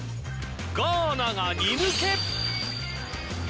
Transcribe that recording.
ガーナが２抜け。